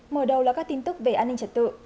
mở đầu là các tin tức về an ninh trật tự